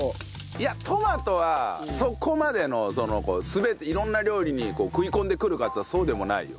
いやトマトはそこまでのその色んな料理に食い込んでくるかっていうとそうでもないよ。